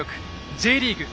Ｊリーグ。